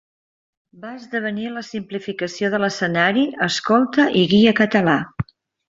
Va esdevenir la simplificació de l'escenari escolta i guia català.